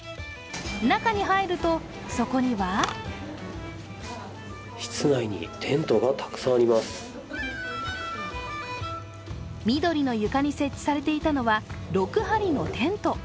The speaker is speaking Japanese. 中に入ると、そこには緑の床に設置されていたのは、６張りのテント。